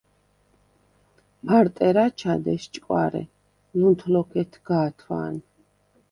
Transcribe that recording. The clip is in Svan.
მარტ ერ აჩად, ესჭკვარე, ლუნთ ლოქ ედგა̄თვა̄ნ.